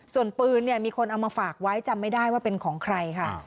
ส่วนปืนเนี่ยมีคนเอามาฝากไว้จำไม่ได้ว่าเป็นของใครค่ะ